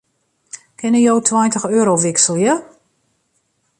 Kinne jo tweintich euro wikselje?